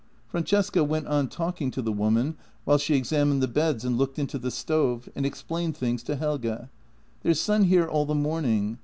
Francesca went on talking to the woman while she examined the beds and looked into the stove, and explained things to Helge :" There's sun here all the morning.